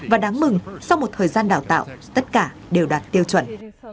và đáng mừng sau một thời gian đào tạo tất cả đều đạt tiêu chuẩn